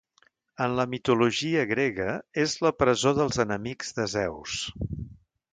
En la mitologia grega és la presó dels enemics de Zeus.